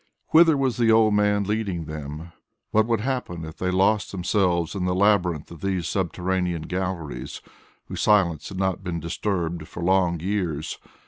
Whither was the old man leading them? What would happen if they lost themselves in the labyrinth of these subterranean galleries, whose silence had not been disturbed for long years?